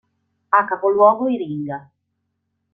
Ha capoluogo Iringa.